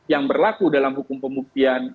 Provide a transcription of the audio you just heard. yang berlaku dalam hukum pembuktian